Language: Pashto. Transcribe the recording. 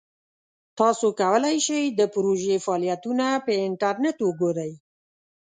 تاسو کولی شئ د پروژې فعالیتونه په انټرنیټ وګورئ.